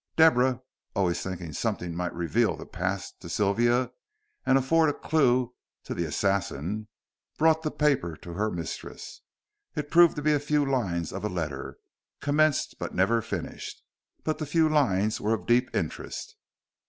Deborah, always thinking something might reveal the past to Sylvia and afford a clue to the assassin, brought the paper to her mistress. It proved to be a few lines of a letter, commenced but never finished. But the few lines were of deep interest.